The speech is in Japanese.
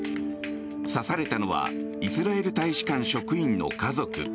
刺されたのはイスラエル大使館職員の家族。